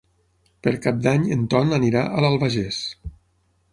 Per Cap d'Any en Ton anirà a l'Albagés.